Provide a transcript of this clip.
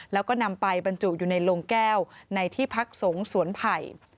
แล้วก็นำไปบรรจุอยู่ในโรงแก้วในที่พักสงฆ์สวนไผ่